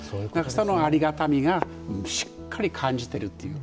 そのありがたみをしっかり感じているという。